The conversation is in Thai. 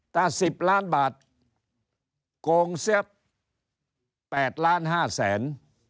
ถ้า๑๐ล้านบาทโกงเสียบ๘๕๐๐๐บาท